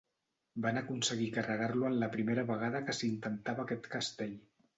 Van aconseguir carregar-lo en la primera vegada que s'intentava aquest castell.